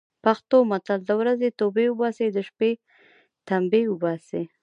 پښتو متل: د ورځې توبې اوباسي، د شپې تمبې اوباسي.